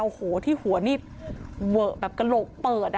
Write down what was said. โอ้โหที่หัวนี่เวอะแบบกระโหลกเปิด